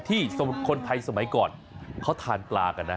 สมมุติคนไทยสมัยก่อนเขาทานปลากันนะ